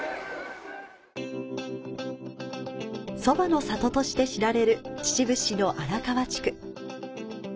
ソバの里として知られる秩父市の荒川地区。